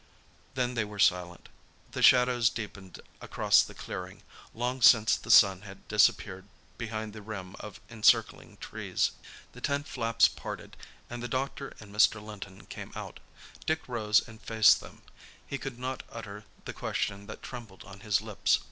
Then they were silent. The shadows deepened across the clearing. Long since the sun had disappeared behind the rim of encircling trees. The tent flaps parted and the doctor and Mr. Linton came out. Dick rose and faced them. He could not utter the question that trembled on his lips.